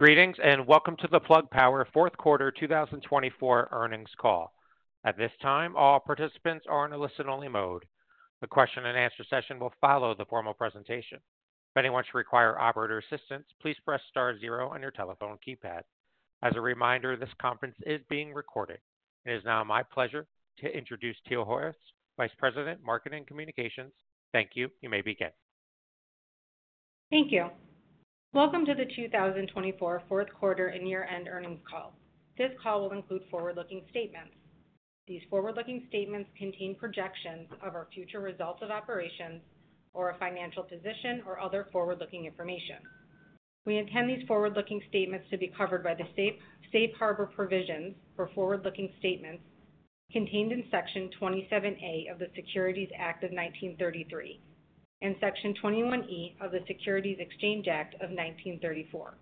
Greetings and welcome to the Plug Power Fourth Quarter 2024 earnings call. At this time, all participants are in a listen-only mode. The question-and-answer session will follow the formal presentation. If anyone should require operator assistance, please press star zero on your telephone keypad. As a reminder, this conference is being recorded. It is now my pleasure to introduce Teal Hoyos, Vice President, Marketing Communications. Thank you. You may begin. Thank you. Welcome to the 2024 Fourth Quarter and Year-End earnings call. This call will include forward-looking statements. These forward-looking statements contain projections of our future results of operations or our financial position or other forward-looking information. We intend these forward-looking statements to be covered by the Safe Harbor Provisions for forward-looking statements contained in Section 27A of the Securities Act of 1933 and Section 21E of the Securities Exchange Act of 1934.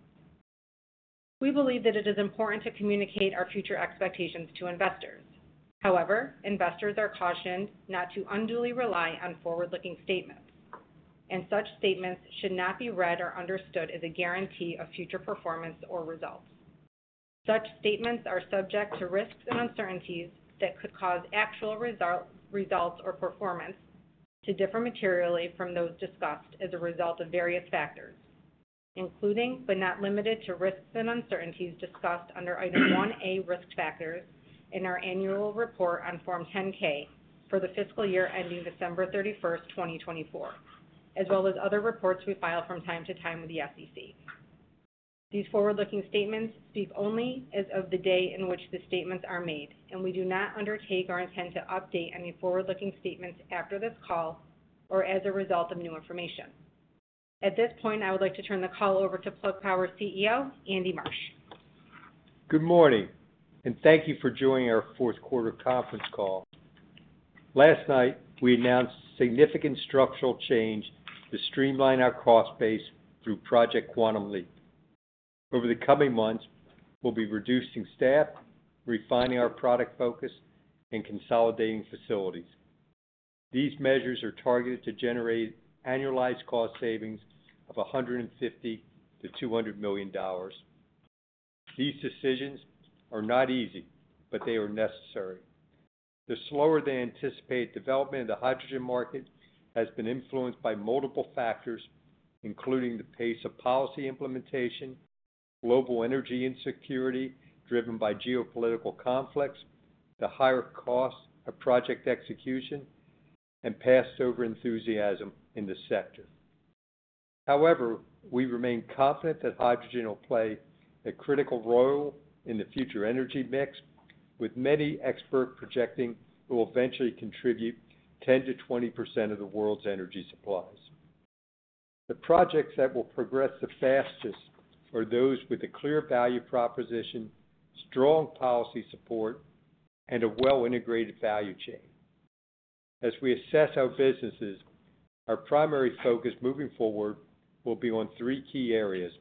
We believe that it is important to communicate our future expectations to investors. However, investors are cautioned not to unduly rely on forward-looking statements, and such statements should not be read or understood as a guarantee of future performance or results. Such statements are subject to risks and uncertainties that could cause actual results or performance to differ materially from those discussed as a result of various factors, including, but not limited to, risks and uncertainties discussed under item 1A risk factors in our annual report on Form 10-K for the fiscal year ending December 31st, 2024, as well as other reports we file from time to time with the SEC. These forward-looking statements speak only as of the day in which the statements are made, and we do not undertake our intent to update any forward-looking statements after this call or as a result of new information. At this point, I would like to turn the call over to Plug Power CEO, Andy Marsh. Good morning, and thank you for joining our Fourth Quarter Conference call. Last night, we announced significant structural change to streamline our cost base through Project Quantum Leap. Over the coming months, we'll be reducing staff, refining our product focus, and consolidating facilities. These measures are targeted to generate annualized cost savings of $150 million-$200 million. These decisions are not easy, but they are necessary. The slower-than-anticipated development of the hydrogen market has been influenced by multiple factors, including the pace of policy implementation, global energy insecurity driven by geopolitical conflicts, the higher cost of project execution, and past over-enthusiasm in the sector. However, we remain confident that hydrogen will play a critical role in the future energy mix, with many experts projecting it will eventually contribute 10%-20% of the world's energy supplies. The projects that will progress the fastest are those with a clear value proposition, strong policy support, and a well-integrated value chain. As we assess our businesses, our primary focus moving forward will be on three key areas: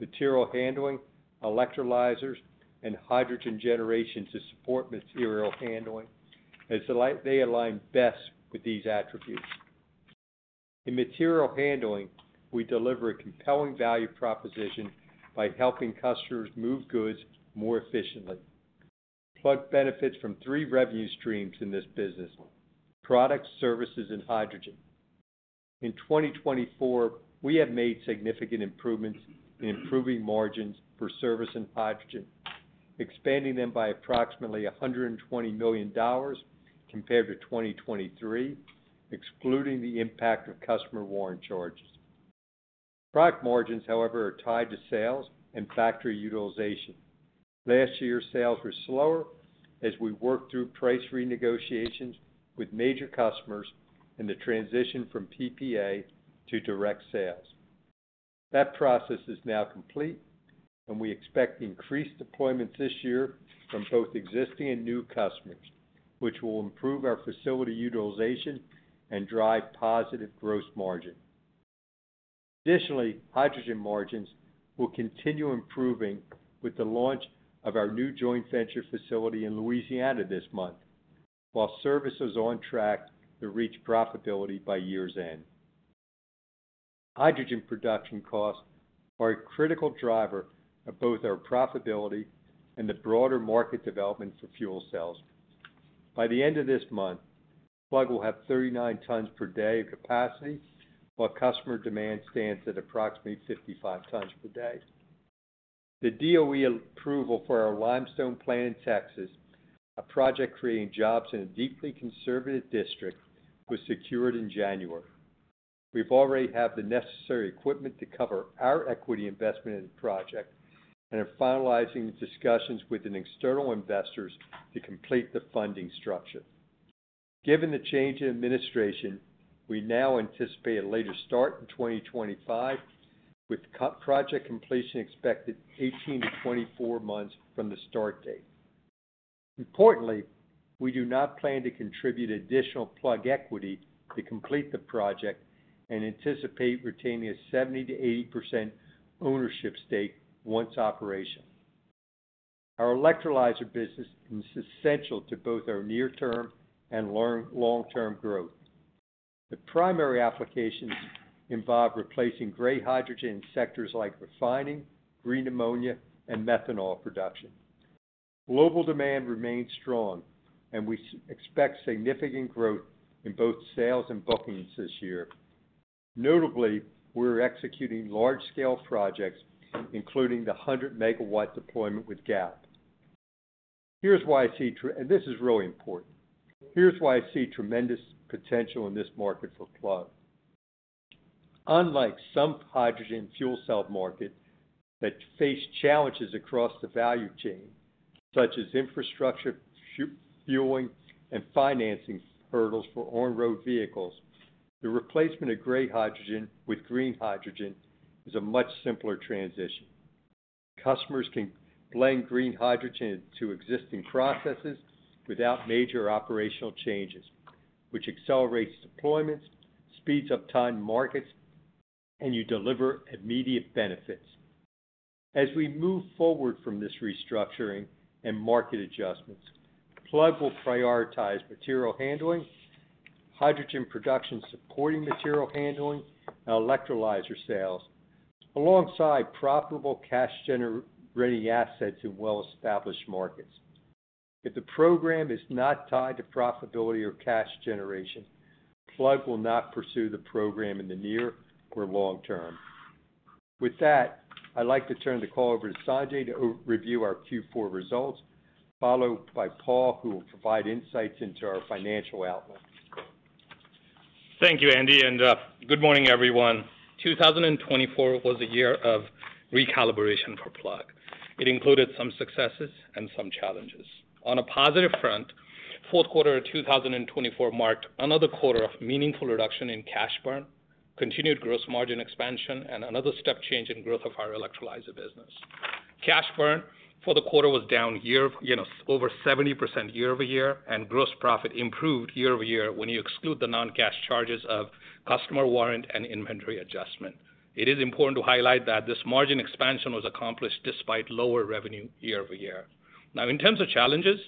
material handling, electrolyzers, and hydrogen generation to support material handling, as they align best with these attributes. In material handling, we deliver a compelling value proposition by helping customers move goods more efficiently. Plug benefits from three revenue streams in this business: products, services, and hydrogen. In 2024, we have made significant improvements in improving margins for service and hydrogen, expanding them by approximately $120 million compared to 2023, excluding the impact of customer warrant charges. Product margins, however, are tied to sales and factory utilization. Last year, sales were slower as we worked through price renegotiations with major customers and the transition from PPA to direct sales. That process is now complete, and we expect increased deployments this year from both existing and new customers, which will improve our facility utilization and drive positive gross margin. Additionally, hydrogen margins will continue improving with the launch of our new joint venture facility in Louisiana this month, while service is on track to reach profitability by year's end. Hydrogen production costs are a critical driver of both our profitability and the broader market development for fuel cells. By the end of this month, Plug will have 39 tons per day of capacity, while customer demand stands at approximately 55 tons per day. The DOE approval for our Limestone plant in Texas, a project creating jobs in a deeply conservative district, was secured in January. We already have the necessary equipment to cover our equity investment in the project and are finalizing discussions with external investors to complete the funding structure. Given the change in administration, we now anticipate a later start in 2025, with project completion expected 18 to 24 months from the start date. Importantly, we do not plan to contribute additional Plug equity to complete the project and anticipate retaining a 70%-80% ownership stake once operational. Our electrolyzer business is essential to both our near-term and long-term growth. The primary applications involve replacing gray hydrogen in sectors like refining, green ammonia, and methanol production. Global demand remains strong, and we expect significant growth in both sales and bookings this year. Notably, we're executing large-scale projects, including the 100 MW deployment with Galp. Here's why I see—and this is really important—here's why I see tremendous potential in this market for Plug. Unlike some hydrogen fuel cell markets that face challenges across the value chain, such as infrastructure, fueling, and financing hurdles for on-road vehicles, the replacement of gray hydrogen with green hydrogen is a much simpler transition. Customers can blend green hydrogen into existing processes without major operational changes, which accelerates deployments, speeds up time markets, and you deliver immediate benefits. As we move forward from this restructuring and market adjustments, Plug will prioritize material handling, hydrogen production supporting material handling, and electrolyzer sales, alongside profitable cash-generating assets in well-established markets. If the program is not tied to profitability or cash generation, Plug will not pursue the program in the near or long-term. With that, I'd like to turn the call over to Sanjay to review our Q4 results, followed by Paul, who will provide insights into our financial outlook. Thank you, Andy. Good morning, everyone. 2024 was a year of recalibration for Plug. It included some successes and some challenges. On a positive front, the fourth quarter of 2024 marked another quarter of meaningful reduction in cash burn, continued gross margin expansion, and another step change in growth of our electrolyzer business. Cash burn for the quarter was down over 70% year-over-year, and gross profit improved year-over-year when you exclude the non-cash charges of customer warrant and inventory adjustment. It is important to highlight that this margin expansion was accomplished despite lower revenue year-over-year. Now, in terms of challenges,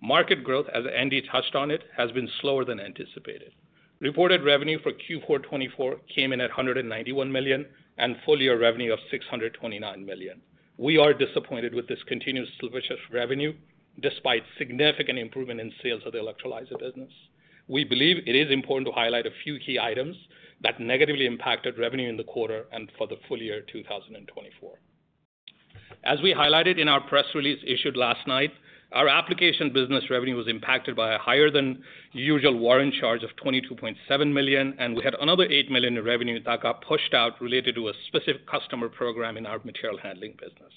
market growth, as Andy touched on it, has been slower than anticipated. Reported revenue for Q4 2024 came in at $191 million and full-year revenue of $629 million. We are disappointed with this continued sluggish revenue despite significant improvement in sales of the electrolyzer business. We believe it is important to highlight a few key items that negatively impacted revenue in the quarter and for the full year 2024. As we highlighted in our press release issued last night, our application business revenue was impacted by a higher-than-usual warrant charge of $22.7 million, and we had another $8 million in revenue that got pushed out related to a specific customer program in our material handling business.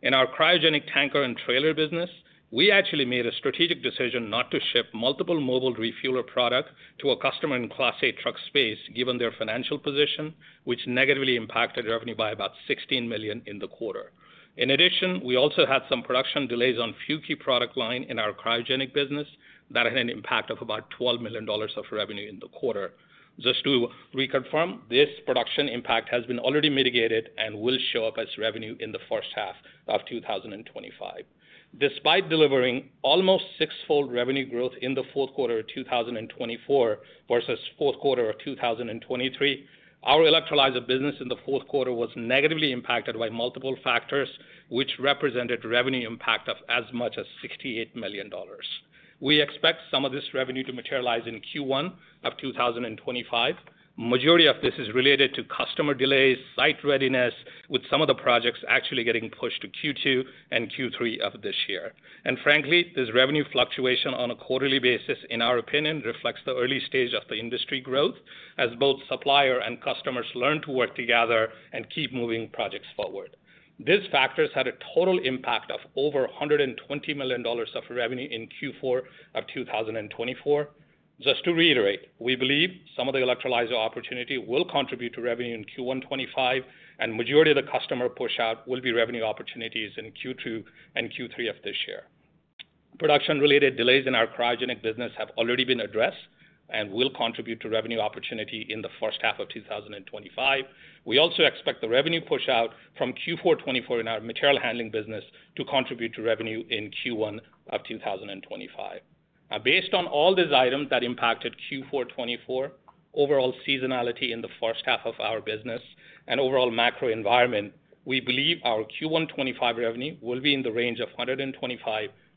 In our cryogenic tanker and trailer business, we actually made a strategic decision not to ship multiple mobile refueler products to a customer in Class 8 truck space given their financial position, which negatively impacted revenue by about $16 million in the quarter. In addition, we also had some production delays on a few key product lines in our cryogenic business that had an impact of about $12 million of revenue in the quarter. Just to reconfirm, this production impact has been already mitigated and will show up as revenue in the first half of 2025. Despite delivering almost six-fold revenue growth in the fourth quarter of 2024 versus the fourth quarter of 2023, our electrolyzer business in the fourth quarter was negatively impacted by multiple factors, which represented revenue impact of as much as $68 million. We expect some of this revenue to materialize in Q1 of 2025. The majority of this is related to customer delays, site readiness, with some of the projects actually getting pushed to Q2 and Q3 of this year. Frankly, this revenue fluctuation on a quarterly basis, in our opinion, reflects the early stage of the industry growth, as both suppliers and customers learn to work together and keep moving projects forward. These factors had a total impact of over $120 million of revenue in Q4 of 2024. Just to reiterate, we believe some of the electrolyzer opportunity will contribute to revenue in Q1 2025, and the majority of the customer push-out will be revenue opportunities in Q2 and Q3 of this year. Production-related delays in our cryogenic business have already been addressed and will contribute to revenue opportunity in the first half of 2025. We also expect the revenue push-out from Q4 2024 in our material handling business to contribute to revenue in Q1 of 2025. Based on all these items that impacted Q4 2024, overall seasonality in the first half of our business, and overall macro environment, we believe our Q1 2025 revenue will be in the range of $125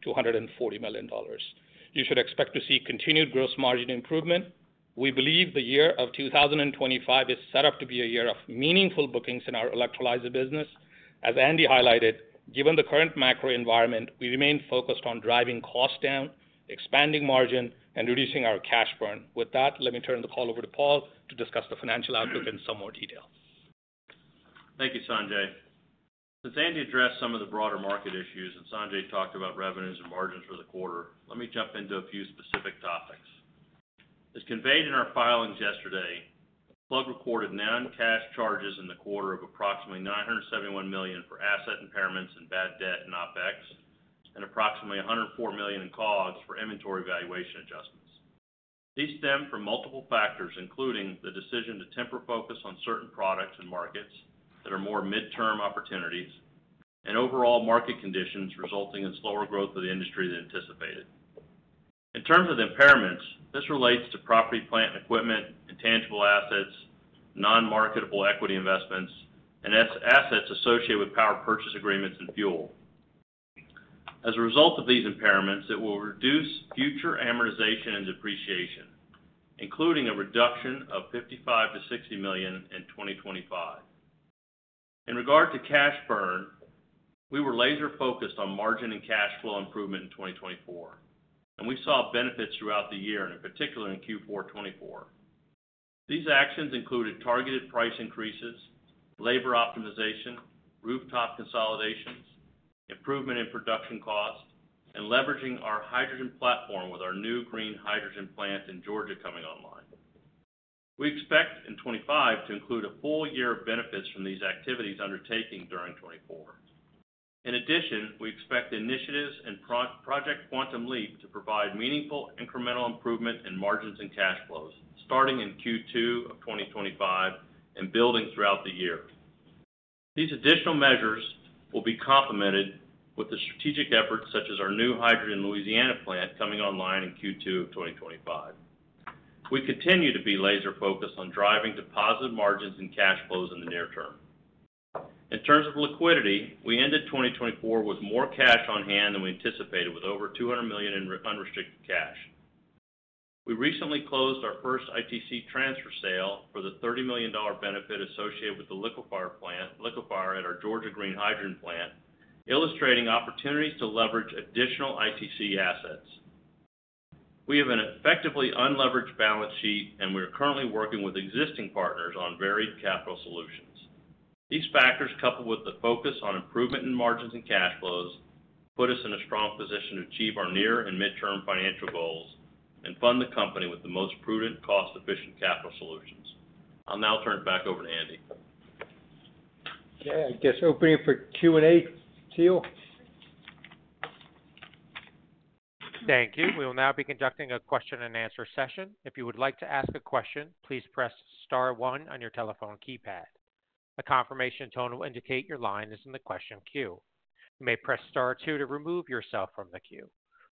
million-$140 million. You should expect to see continued gross margin improvement. We believe the year of 2025 is set up to be a year of meaningful bookings in our electrolyzer business. As Andy highlighted, given the current macro environment, we remain focused on driving costs down, expanding margin, and reducing our cash burn. With that, let me turn the call over to Paul to discuss the financial outlook in some more detail. Thank you, Sanjay. Since Andy addressed some of the broader market issues and Sanjay talked about revenues and margins for the quarter, let me jump into a few specific topics. As conveyed in our filings yesterday, Plug recorded non-cash charges in the quarter of approximately $971 million for asset impairments and bad debt and OpEx, and approximately $104 million in COGS for inventory valuation adjustments. These stem from multiple factors, including the decision to temper focus on certain products and markets that are more midterm opportunities and overall market conditions resulting in slower growth of the industry than anticipated. In terms of impairments, this relates to property, plant, and equipment, intangible assets, non-marketable equity investments, and assets associated with power purchase agreements and fuel. As a result of these impairments, it will reduce future amortization and depreciation, including a reduction of $55 million-$60 million in 2025. In regard to cash burn, we were laser-focused on margin and cash flow improvement in 2024, and we saw benefits throughout the year, and in particular in Q4 2024. These actions included targeted price increases, labor optimization, rooftop consolidations, improvement in production costs, and leveraging our hydrogen platform with our new green hydrogen plant in Georgia coming online. We expect in 2025 to include a full year of benefits from these activities undertaken during 2024. In addition, we expect initiatives and Project Quantum Leap to provide meaningful incremental improvement in margins and cash flows starting in Q2 of 2025 and building throughout the year. These additional measures will be complemented with the strategic efforts such as our new hydrogen in Louisiana plant coming online in Q2 of 2025. We continue to be laser-focused on driving positive margins and cash flows in the near-term. In terms of liquidity, we ended 2024 with more cash on hand than we anticipated, with over $200 million in unrestricted cash. We recently closed our first ITC transfer sale for the $30 million benefit associated with the liquefier plant at our Georgia Green Hydrogen Plant, illustrating opportunities to leverage additional ITC assets. We have an effectively unleveraged balance sheet, and we are currently working with existing partners on varied capital solutions. These factors, coupled with the focus on improvement in margins and cash flows, put us in a strong position to achieve our near and midterm financial goals and fund the company with the most prudent, cost-efficient capital solutions. I'll now turn it back over to Andy. Okay. I guess opening for Q&A, Teal. Thank you. We will now be conducting a question-and-answer session. If you would like to ask a question, please press star one on your telephone keypad. A confirmation tone will indicate your line is in the question queue. You may press star two to remove yourself from the queue.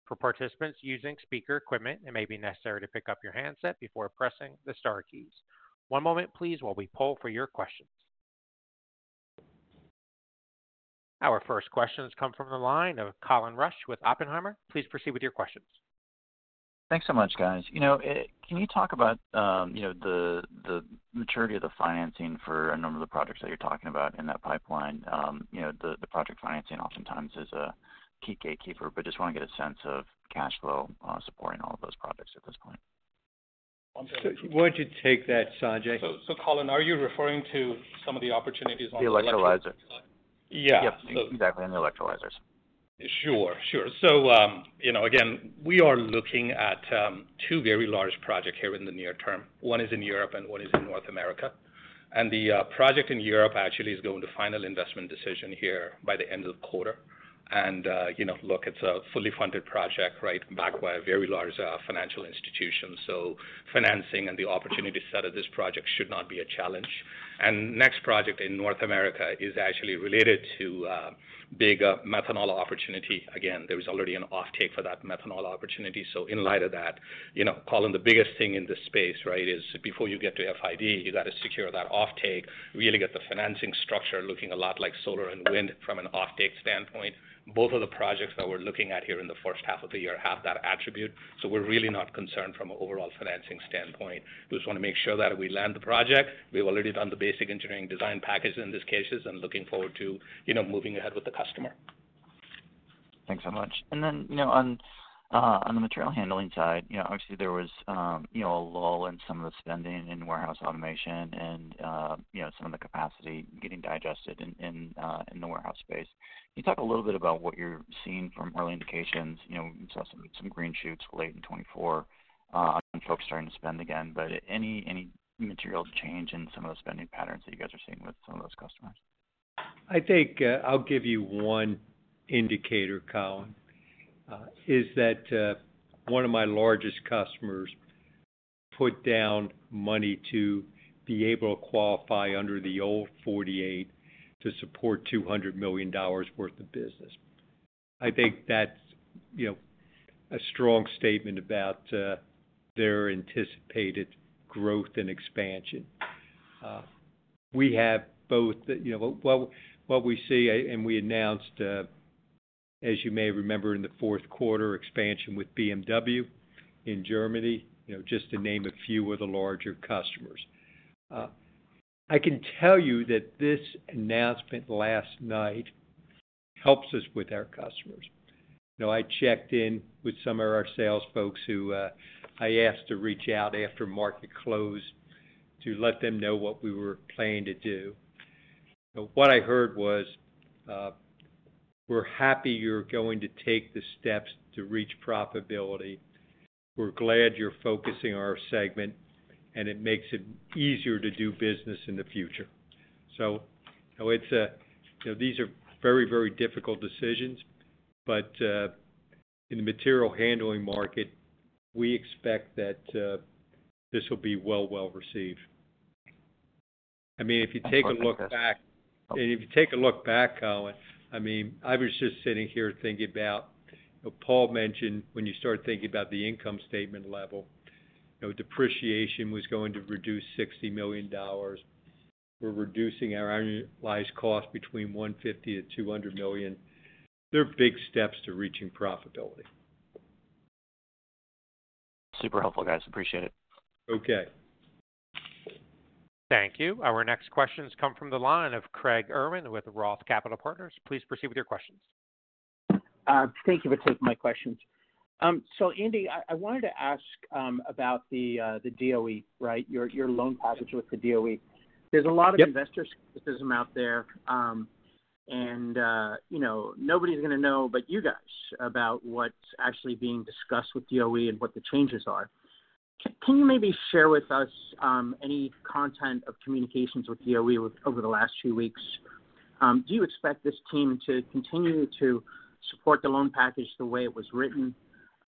For participants using speaker equipment, it may be necessary to pick up your handset before pressing the Star keys. One moment, please, while we pull for your questions. Our first questions come from the line of Colin Rusch with Oppenheimer. Please proceed with your questions. Thanks so much, guys. You know, can you talk about the maturity of the financing for a number of the projects that you're talking about in that pipeline? The project financing oftentimes is a key gatekeeper, but just want to get a sense of cash flow supporting all of those projects at this point. Why don't you take that, Sanjay? Colin, are you referring to some of the opportunities on the electrolyzer? Yeah. Yep. Exactly. On the electrolyzers. Sure. Sure. We are looking at two very large projects here in the near-term. One is in Europe and one is in North America. The project in Europe actually is going to final investment decision here by the end of the quarter. Look, it is a fully funded project, backed by a very large financial institution. Financing and the opportunity set of this project should not be a challenge. The next project in North America is actually related to a big methanol opportunity. There is already an offtake for that methanol opportunity. In light of that, Colin, the biggest thing in this space is before you get to FID, you have to secure that offtake, really get the financing structure looking a lot like solar and wind from an offtake standpoint. Both of the projects that we're looking at here in the first half of the year have that attribute. We are really not concerned from an overall financing standpoint. We just want to make sure that we land the project. We have already done the basic engineering design package in this case and are looking forward to moving ahead with the customer. Thanks so much. On the material handling side, obviously, there was a lull in some of the spending in warehouse automation and some of the capacity getting digested in the warehouse space. Can you talk a little bit about what you're seeing from early indications? We saw some green shoots late in 2024 and folks starting to spend again. Any material change in some of those spending patterns that you guys are seeing with some of those customers? I think I'll give you one indicator, Colin, is that one of my largest customers put down money to be able to qualify under the old 48 to support $200 million worth of business. I think that's a strong statement about their anticipated growth and expansion. We have both what we see, and we announced, as you may remember, in the fourth quarter expansion with BMW in Germany, just to name a few of the larger customers. I can tell you that this announcement last night helps us with our customers. I checked in with some of our sales folks who I asked to reach out after market close to let them know what we were planning to do. What I heard was, "We're happy you're going to take the steps to reach profitability. We're glad you're focusing our segment, and it makes it easier to do business in the future. These are very, very difficult decisions, but in the material handling market, we expect that this will be well, well received. I mean, if you take a look back, Colin, I mean, I was just sitting here thinking about, Paul mentioned when you start thinking about the income statement level, depreciation was going to reduce $60 million. We're reducing our annualized cost between $150 million-$200 million. They're big steps to reaching profitability. Super helpful, guys. Appreciate it. Okay. Thank you. Our next questions come from the line of Craig Irwin with Roth Capital Partners. Please proceed with your questions. Thank you for taking my questions. Andy, I wanted to ask about the DOE, right, your loan package with the DOE. There's a lot of investor skepticism out there, and nobody's going to know but you guys about what's actually being discussed with DOE and what the changes are. Can you maybe share with us any content of communications with DOE over the last few weeks? Do you expect this team to continue to support the loan package the way it was written?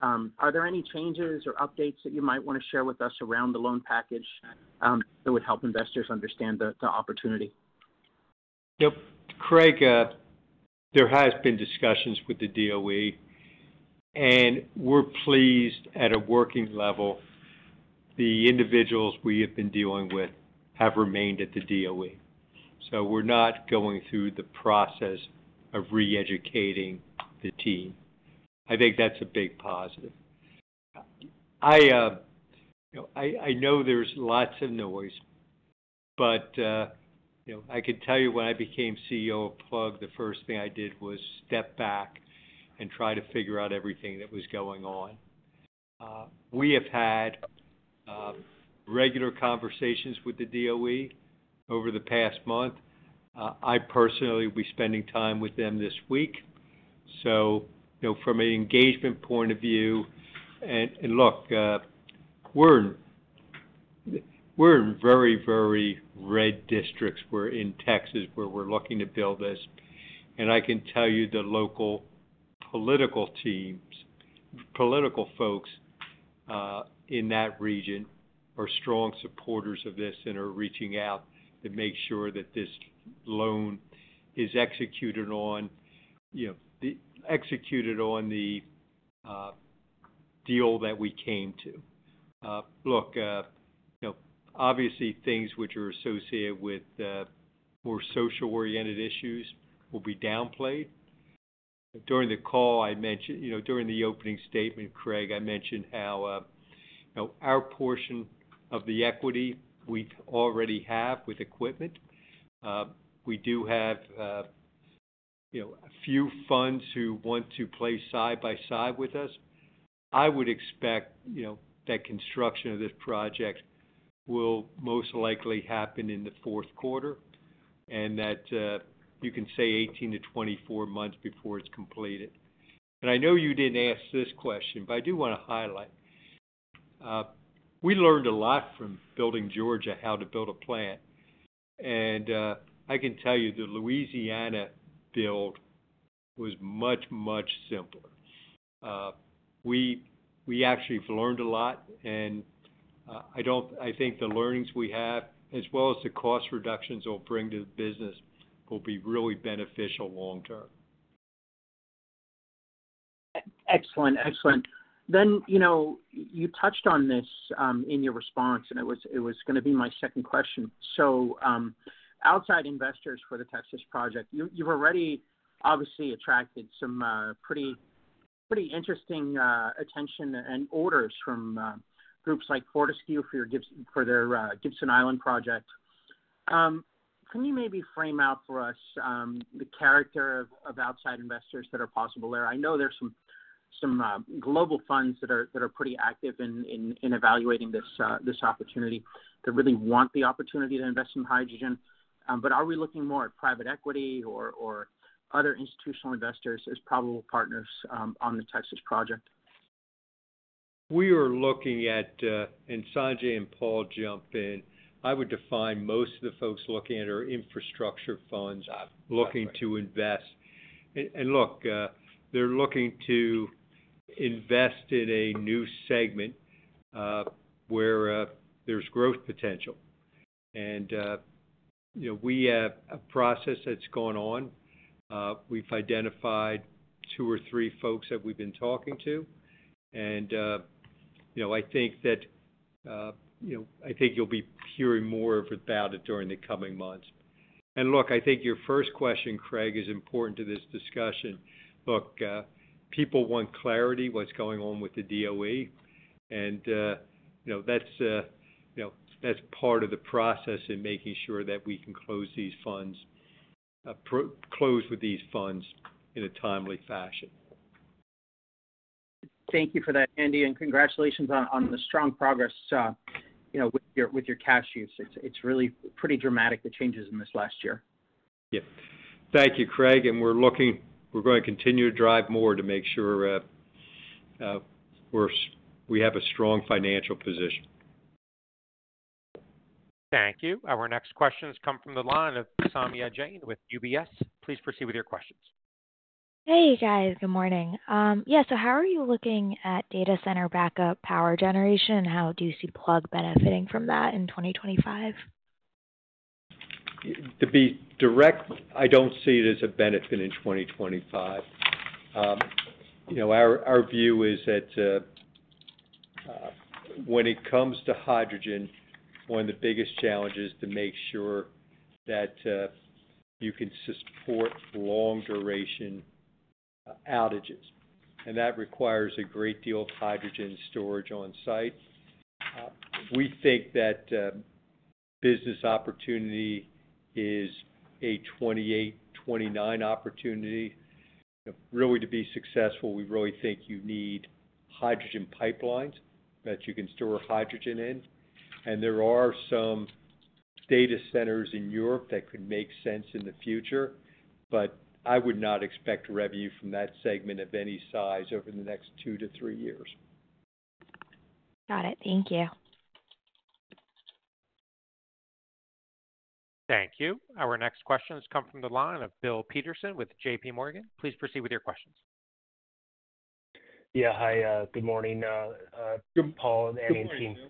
Are there any changes or updates that you might want to share with us around the loan package that would help investors understand the opportunity? Yep. Craig, there has been discussions with the DOE, and we're pleased at a working level. The individuals we have been dealing with have remained at the DOE. So we're not going through the process of re-educating the team. I think that's a big positive. I know there's lots of noise, but I can tell you when I became CEO of Plug, the first thing I did was step back and try to figure out everything that was going on. We have had regular conversations with the DOE over the past month. I personally will be spending time with them this week. From an engagement point of view, and look, we're in very, very red districts. We're in Texas where we're looking to build this. I can tell you the local political teams, political folks in that region are strong supporters of this and are reaching out to make sure that this loan is executed on the deal that we came to. Obviously, things which are associated with more social-oriented issues will be downplayed. During the call, I mentioned during the opening statement, Craig, I mentioned how our portion of the equity we already have with equipment, we do have a few funds who want to play side by side with us. I would expect that construction of this project will most likely happen in the fourth quarter and that you can say 18-24 months before it's completed. I know you didn't ask this question, but I do want to highlight. We learned a lot from building Georgia, how to build a plant. I can tell you the Louisiana build was much, much simpler. We actually have learned a lot, and I think the learnings we have, as well as the cost reductions we will bring to the business, will be really beneficial long-term. Excellent. Excellent. You touched on this in your response, and it was going to be my second question. Outside investors for the Texas project, you've already obviously attracted some pretty interesting attention and orders from groups like Fortescue for their Gibson Island project. Can you maybe frame out for us the character of outside investors that are possible there? I know there are some global funds that are pretty active in evaluating this opportunity that really want the opportunity to invest in hydrogen. Are we looking more at private equity or other institutional investors as probable partners on the Texas project? We are looking at, and Sanjay and Paul jump in, I would define most of the folks looking at are infrastructure funds looking to invest. Look, they're looking to invest in a new segment where there's growth potential. We have a process that's gone on. We've identified two or three folks that we've been talking to. I think you'll be hearing more about it during the coming months. I think your first question, Craig, is important to this discussion. People want clarity on what's going on with the DOE, and that's part of the process in making sure that we can close these funds, close with these funds in a timely fashion. Thank you for that, Andy. Congratulations on the strong progress with your cash use. It is really pretty dramatic, the changes in this last year. Thank you, Craig. We are going to continue to drive more to make sure we have a strong financial position. Thank you. Our next questions come from the line of Saumya Jain with UBS. Please proceed with your questions. Hey, guys. Good morning. Yeah. How are you looking at data center backup power generation, and how do you see Plug benefiting from that in 2025? To be direct, I do not see it as a benefit in 2025. Our view is that when it comes to hydrogen, one of the biggest challenges is to make sure that you can support long-duration outages. That requires a great deal of hydrogen storage on site. We think that business opportunity is a 2028-2029 opportunity. Really, to be successful, we really think you need hydrogen pipelines that you can store hydrogen in. There are some data centers in Europe that could make sense in the future, but I would not expect revenue from that segment of any size over the next two to three years. Got it. Thank you. Thank you. Our next questions come from the line of Bill Peterson with JPMorgan. Please proceed with your questions. Yeah. Hi. Good morning. Paul and Andy's team. Good morning.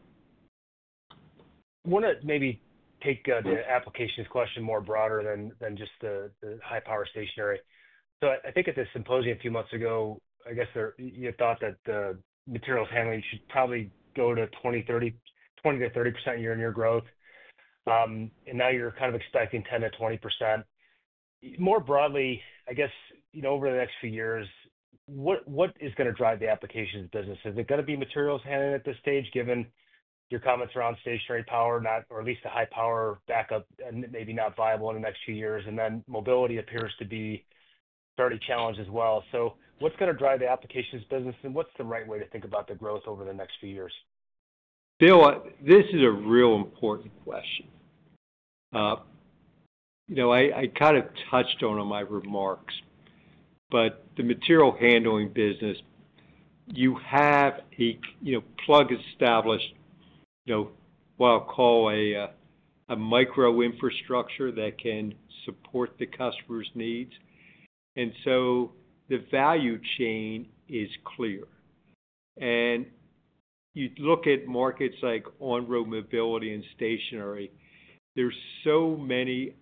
I want to maybe take the applications question more broader than just the high-power stationary. I think at the symposium a few months ago, I guess you thought that the materials handling should probably go to 20%-30% year-on-year growth. Now you are kind of expecting 10%-20%. More broadly, I guess, over the next few years, what is going to drive the applications business? Is it going to be materials handling at this stage, given your comments around stationary power, or at least the high-power backup, and maybe not viable in the next few years? Mobility appears to be a starting challenge as well. What is going to drive the applications business, and what is the right way to think about the growth over the next few years? Bill, this is a real important question. I kind of touched on it in my remarks, but the material handling business, you have a Plug established, what I'll call a micro-infrastructure that can support the customer's needs. The value chain is clear. You look at markets like on-road mobility and stationary, there are so many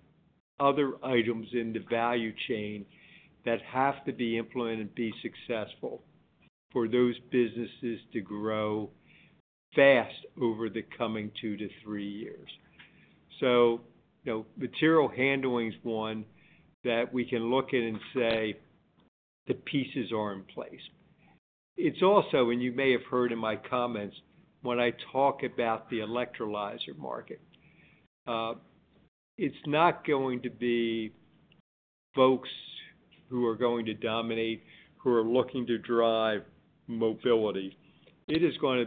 other items in the value chain that have to be implemented and be successful for those businesses to grow fast over the coming two to three years. Material handling is one that we can look at and say, "The pieces are in place." It's also, and you may have heard in my comments, when I talk about the electrolyzer market, it's not going to be folks who are going to dominate, who are looking to drive mobility. It is going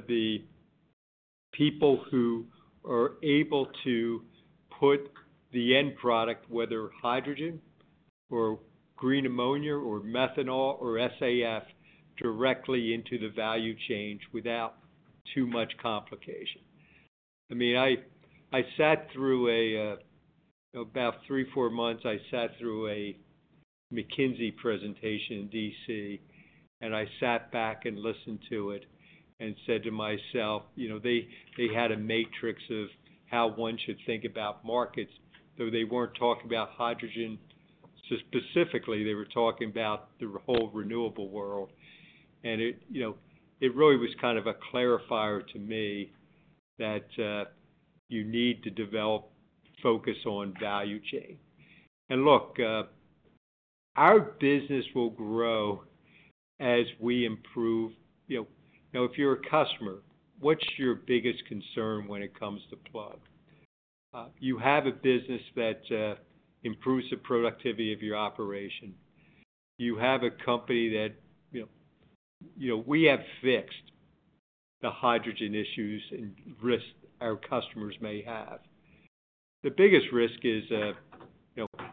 to be people who are able to put the end product, whether hydrogen or green ammonia or methanol or SAF, directly into the value chain without too much complication. I mean, I sat through about three, four months, I sat through a McKinsey presentation in D.C., and I sat back and listened to it and said to myself, "They had a matrix of how one should think about markets," though they were not talking about hydrogen specifically. They were talking about the whole renewable world. It really was kind of a clarifier to me that you need to develop focus on value chain. Look, our business will grow as we improve. Now, if you are a customer, what is your biggest concern when it comes to Plug? You have a business that improves the productivity of your operation. You have a company that we have fixed the hydrogen issues and risks our customers may have. The biggest risk is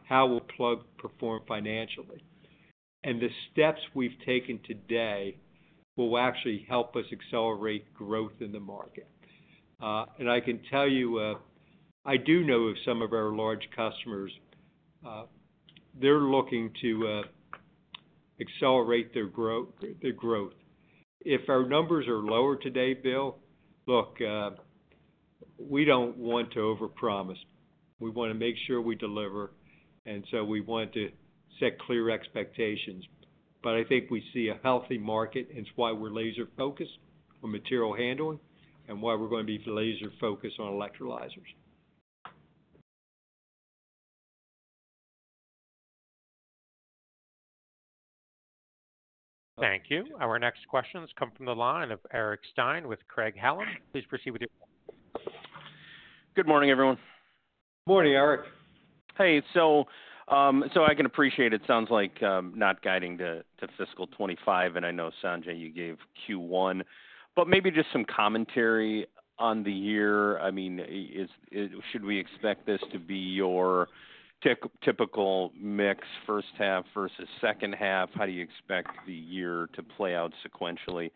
how will Plug perform financially? The steps we have taken today will actually help us accelerate growth in the market. I can tell you, I do know of some of our large customers, they are looking to accelerate their growth. If our numbers are lower today, Bill, look, we do not want to overpromise. We want to make sure we deliver, and we want to set clear expectations. I think we see a healthy market, and it is why we are laser-focused on material handling and why we are going to be laser-focused on electrolyzers. Thank you. Our next questions come from the line of Eric Stine with Craig-Hallum. Please proceed with your questions. Good morning, everyone. Morning, Eric. I can appreciate it sounds like not guiding to fiscal 2025. I know, Sanjay, you gave Q1. Maybe just some commentary on the year. I mean, should we expect this to be your typical mix, first half versus second half? How do you expect the year to play out sequentially?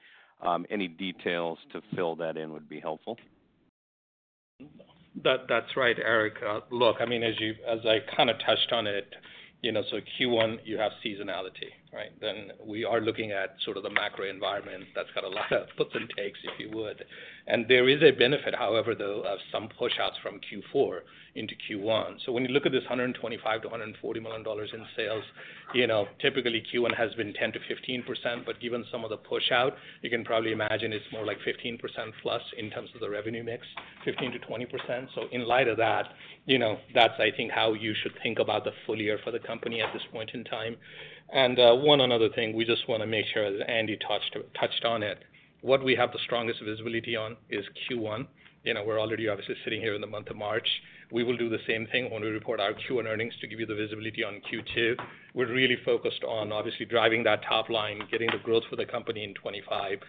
Any details to fill that in would be helpful. That's right, Eric. Look, I mean, as I kind of touched on it, Q1, you have seasonality, right? We are looking at sort of the macro environment that's got a lot of ups and takes, if you would. There is a benefit, however, though, of some push-outs from Q4 into Q1. When you look at this $125 million-$140 million in sales, typically Q1 has been 10%-15%. Given some of the push-out, you can probably imagine it's more like 15%+ in terms of the revenue mix, 15%-20%. In light of that, that's, I think, how you should think about the full year for the company at this point in time. One other thing, we just want to make sure that Andy touched on it. What we have the strongest visibility on is Q1. We're already obviously sitting here in the month of March. We will do the same thing when we report our Q1 earnings to give you the visibility on Q2. We're really focused on obviously driving that top line, getting the growth for the company in 2025.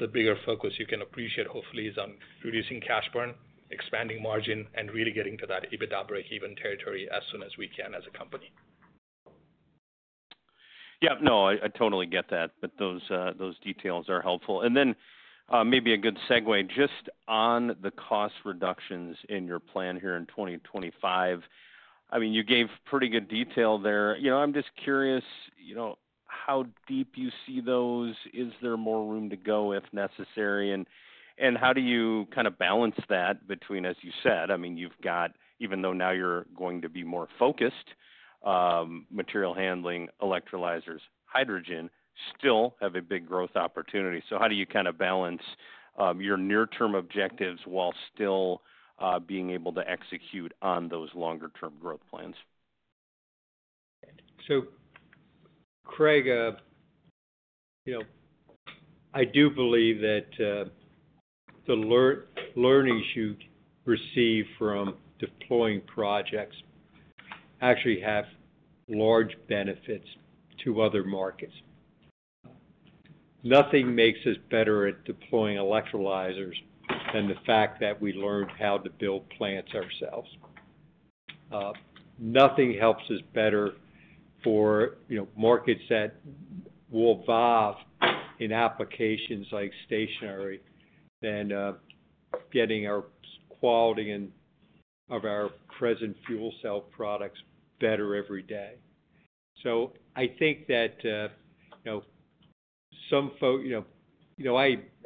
The bigger focus you can appreciate, hopefully, is on reducing cash burn, expanding margin, and really getting to that EBITDA break-even territory as soon as we can as a company. Yeah. No, I totally get that. Those details are helpful. Maybe a good segue, just on the cost reductions in your plan here in 2025. I mean, you gave pretty good detail there. I am just curious how deep you see those. Is there more room to go if necessary? How do you kind of balance that between, as you said, I mean, you have got, even though now you are going to be more focused, material handling, electrolyzers, hydrogen, still have a big growth opportunity. How do you kind of balance your near-term objectives while still being able to execute on those longer-term growth plans? Craig, I do believe that the learnings you receive from deploying projects actually have large benefits to other markets. Nothing makes us better at deploying electrolyzers than the fact that we learned how to build plants ourselves. Nothing helps us better for markets that will evolve in applications like stationary than getting our quality of our present fuel cell products better every day. I think that some folks,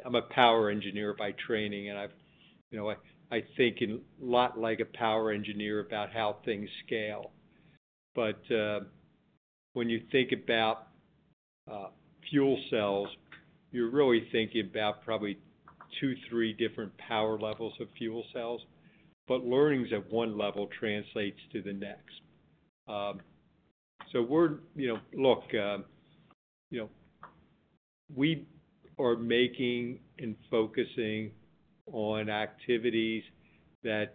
I'm a power engineer by training, and I think a lot like a power engineer about how things scale. When you think about fuel cells, you're really thinking about probably two, three different power levels of fuel cells. Learnings at one level translate to the next. Look, we are making and focusing on activities that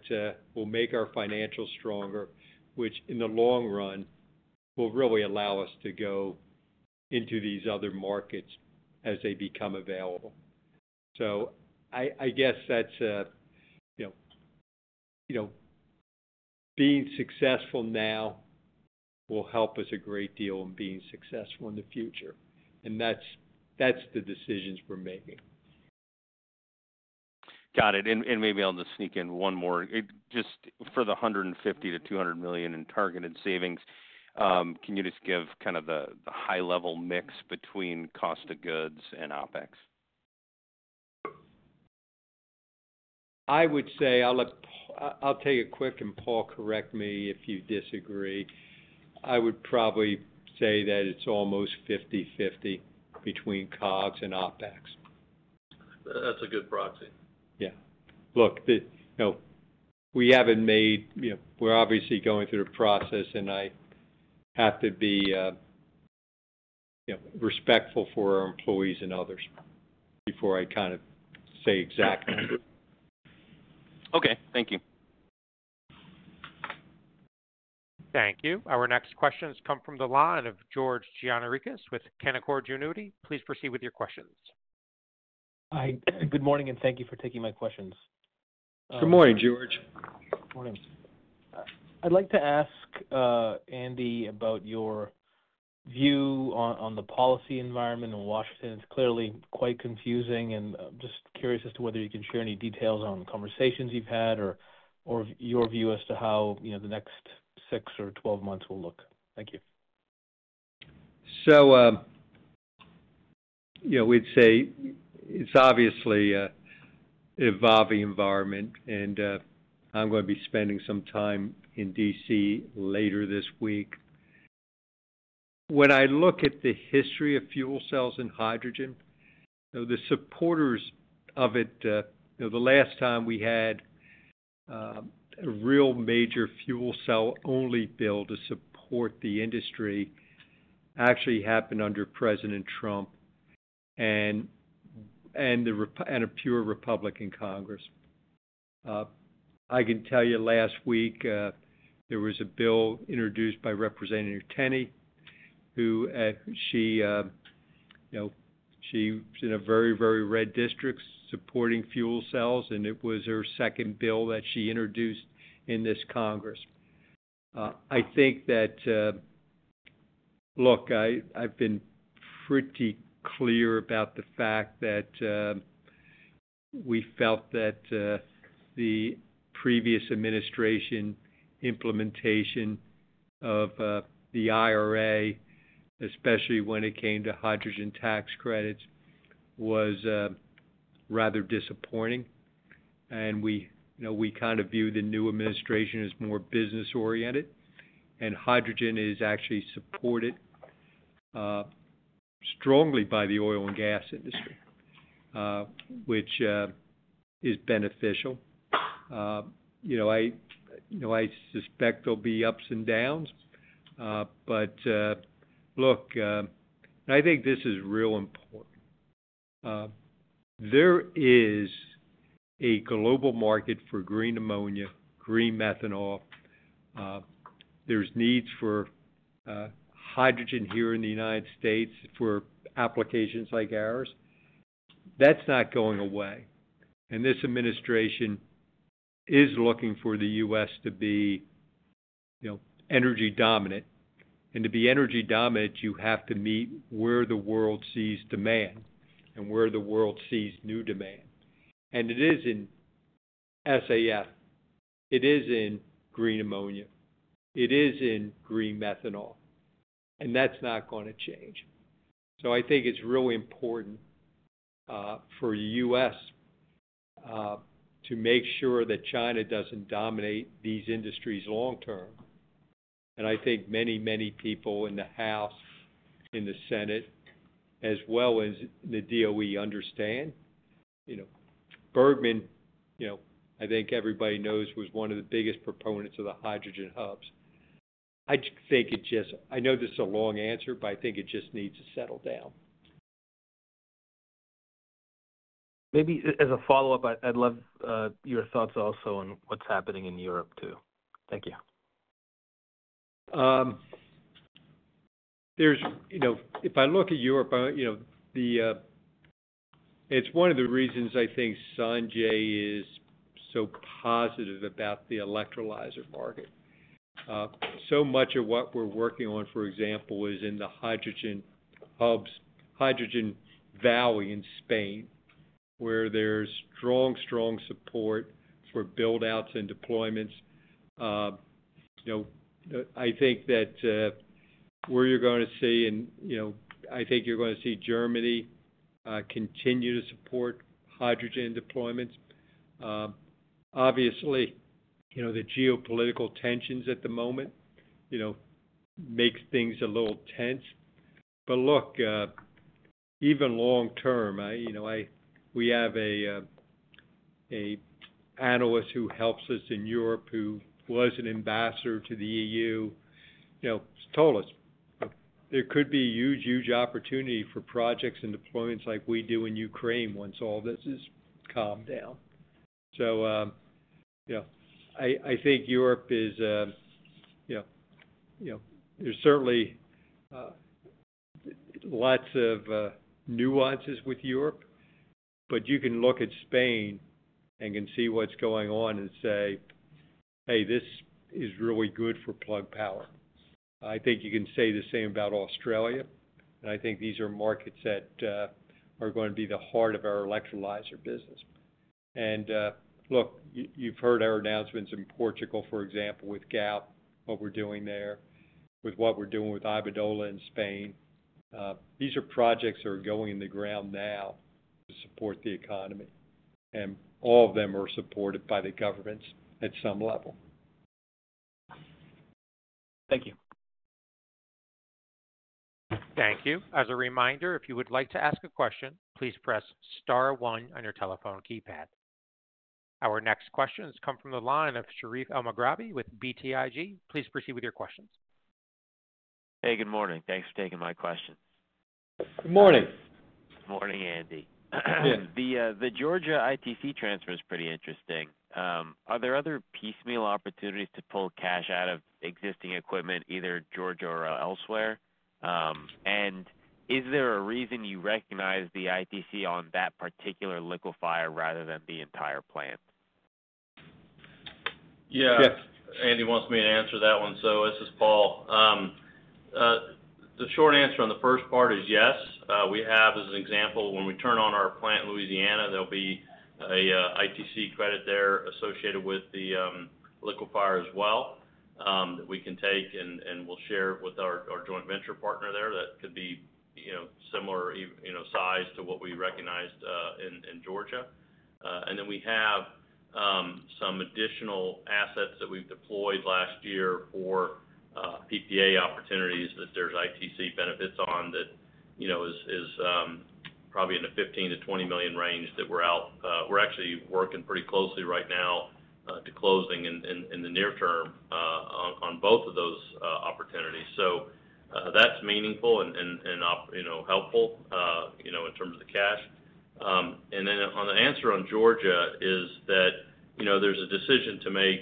will make our financials stronger, which in the long run will really allow us to go into these other markets as they become available. I guess that's being successful now will help us a great deal in being successful in the future. That's the decisions we're making. Got it. Maybe I'll just sneak in one more. Just for the $150 million-$200 million in targeted savings, can you just give kind of the high-level mix between cost of goods and OpEx? I would say I'll tell you quick, and Paul correct me if you disagree. I would probably say that it's almost 50/50 between COGS and OpEx. That's a good proxy. Yeah. Look, we have not made—we are obviously going through a process, and I have to be respectful for our employees and others before I kind of say exact numbers. Okay. Thank you. Thank you. Our next questions come from the line of George Gianarikas with Canaccord Genuity. Please proceed with your questions. Hi. Good morning, and thank you for taking my questions. Good morning, George. Morning. I'd like to ask Andy about your view on the policy environment in Washington. It's clearly quite confusing, and I'm just curious as to whether you can share any details on conversations you've had or your view as to how the next 6 or 12 months will look. Thank you. It's obviously an evolving environment, and I'm going to be spending some time in D.C. later this week. When I look at the history of fuel cells and hydrogen, the supporters of it, the last time we had a real major fuel cell-only bill to support the industry actually happened under President Trump and a pure Republican Congress. I can tell you last week there was a bill introduced by Representative Tenney, who is in a very, very red district supporting fuel cells, and it was her second bill that she introduced in this Congress. I think that, look, I've been pretty clear about the fact that we felt that the previous administration implementation of the IRA, especially when it came to hydrogen tax credits, was rather disappointing. We kind of view the new administration as more business-oriented, and hydrogen is actually supported strongly by the oil and gas industry, which is beneficial. I suspect there'll be ups and downs. Look, I think this is real important. There is a global market for green ammonia, green methanol. There are needs for hydrogen here in the United States for applications like ours. That's not going away. This administration is looking for the U.S. to be energy dominant. To be energy dominant, you have to meet where the world sees demand and where the world sees new demand. It is in SAF. It is in green ammonia. It is in green methanol. That's not going to change. I think it's really important for the U.S. to make sure that China doesn't dominate these industries long-term. I think many, many people in the House, in the Senate, as well as in the DOE understand. Burgum, I think everybody knows, was one of the biggest proponents of the hydrogen hubs. I think it just I know this is a long answer, but I think it just needs to settle down. Maybe as a follow-up, I'd love your thoughts also on what's happening in Europe too. Thank you. If I look at Europe, it's one of the reasons I think Sanjay is so positive about the electrolyzer market. So much of what we're working on, for example, is in the hydrogen hubs, Hydrogen Valley in Spain, where there's strong, strong support for buildouts and deployments. I think that where you're going to see, and I think you're going to see Germany continue to support hydrogen deployments. Obviously, the geopolitical tensions at the moment make things a little tense. Look, even long-term, we have an analyst who helps us in Europe who was an ambassador to the EU. He told us there could be a huge, huge opportunity for projects and deployments like we do in Ukraine once all this has calmed down. I think Europe is, there's certainly lots of nuances with Europe, but you can look at Spain and can see what's going on and say, "Hey, this is really good for Plug Power." I think you can say the same about Australia. I think these are markets that are going to be the heart of our electrolyzer business. Look, you've heard our announcements in Portugal, for example, with Galp, what we're doing there, with what we're doing with Iberdrola in Spain. These are projects that are going in the ground now to support the economy. All of them are supported by the governments at some level. Thank you. Thank you. As a reminder, if you would like to ask a question, please press star 1 on your telephone keypad. Our next questions come from the line of Sherif Elmaghrabi with BTIG. Please proceed with your questions. Hey, good morning. Thanks for taking my question. Good morning. Good morning, Andy. The Georgia ITC transfer is pretty interesting. Are there other piecemeal opportunities to pull cash out of existing equipment, either Georgia or elsewhere? Is there a reason you recognize the ITC on that particular liquefier rather than the entire plant? Yeah. Andy wants me to answer that one. So this is Paul. The short answer on the first part is yes. We have, as an example, when we turn on our plant in Louisiana, there'll be an ITC credit there associated with the liquefier as well that we can take, and we'll share it with our joint venture partner there. That could be similar size to what we recognized in Georgia. And then we have some additional assets that we've deployed last year for PPA opportunities that there's ITC benefits on that is probably in the $15 million-$20 million range that we're out. We're actually working pretty closely right now to closing in the near-term on both of those opportunities. So that's meaningful and helpful in terms of the cash. The answer on Georgia is that there is a decision to make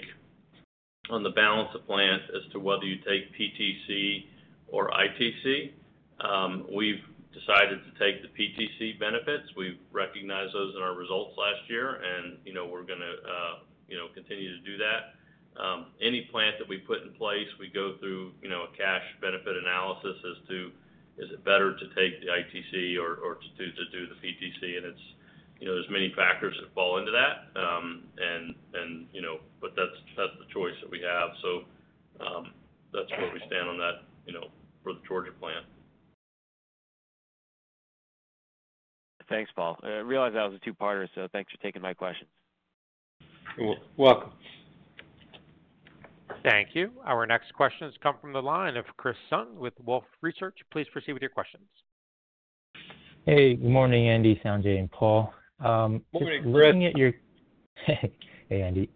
on the balance of plants as to whether you take PTC or ITC. We have decided to take the PTC benefits. We have recognized those in our results last year, and we are going to continue to do that. Any plant that we put in place, we go through a cash benefit analysis as to whether it is better to take the ITC or to do the PTC. There are many factors that fall into that. That is the choice that we have. That is where we stand on that for the Georgia plant. Thanks, Paul. I realized I was a two-parter, so thanks for taking my questions. You're welcome. Thank you. Our next questions come from the line of Chris Sung with Wolfe Research. Please proceed with your questions. Hey, good morning, Andy, Sanjay, and Paul. Looking at your. Hey, Andy. Hey, Andy.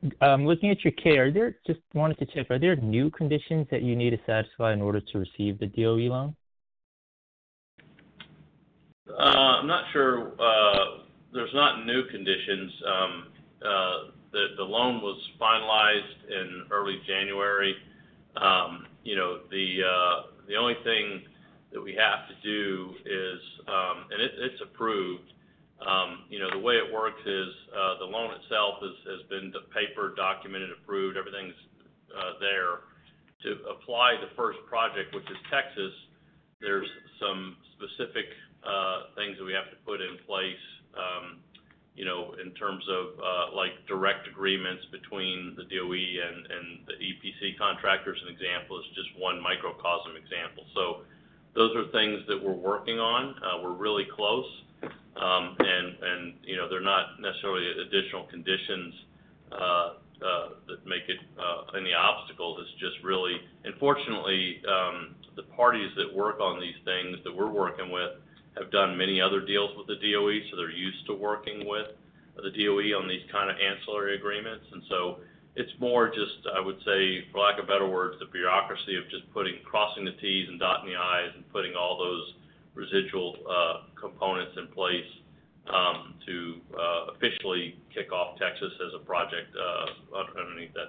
Looking at your care, I just wanted to check. Are there new conditions that you need to satisfy in order to receive the DOE loan? I'm not sure. There's not new conditions. The loan was finalized in early January. The only thing that we have to do is, and it's approved. The way it works is the loan itself has been paper-documented, approved. Everything's there. To apply the first project, which is Texas, there's some specific things that we have to put in place in terms of direct agreements between the DOE and the EPC contractors. An example is just one microcosm example. Those are things that we're working on. We're really close. They're not necessarily additional conditions that make it any obstacle. It's just really unfortunately, the parties that work on these things that we're working with have done many other deals with the DOE, so they're used to working with the DOE on these kind of ancillary agreements. It is more just, I would say, for lack of better words, the bureaucracy of just crossing the T's and dotting the I's and putting all those residual components in place to officially kick off Texas as a project underneath that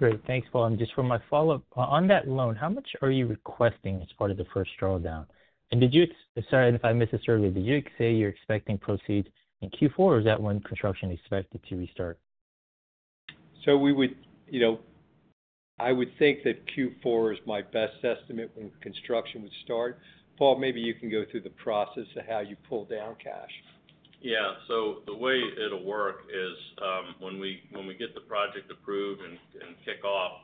structure. Great. Thanks, Paul. Just for my follow-up, on that loan, how much are you requesting as part of the first drawdown? Did you—sorry if I misheard you—did you say you're expecting proceeds in Q4, or is that when construction is expected to restart? I would think that Q4 is my best estimate when construction would start. Paul, maybe you can go through the process of how you pull down cash. Yeah. The way it'll work is when we get the project approved and kick off